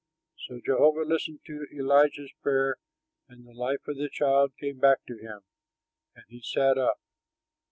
So Jehovah listened to Elijah's prayer; and the life of the child came back to him, and he sat up.